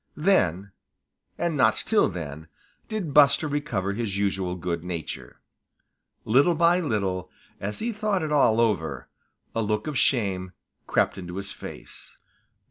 Then, and not till then, did Buster recover his usual good nature. Little by little, as he thought it all over, a look of shame crept into his face.